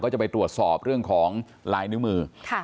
จะไปตรวจสอบเรื่องของลายนิ้วมือ